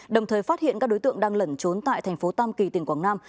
đồng thời phát hiện các đối tượng đang lẩn trốn tại thành phố tam kỳ tỉnh quảng nam